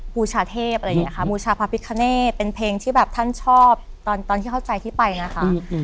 บูชาเทพอะไรอย่างนี้ค่ะบูชาพระพิคเนตเป็นเพลงที่แบบท่านชอบตอนที่เข้าใจที่ไปนะคะ